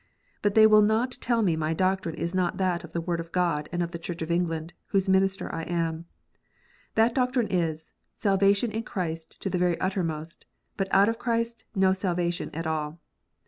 But they will not tell me my doctrine is not that of the Word of God and of the Church of England, whose minister I am. That doctrine is, salvation in Christ to the very uttermost, but out of Christ no salvation at all.